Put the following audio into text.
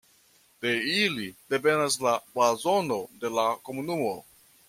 De ili devenas la blazono de la komunumo.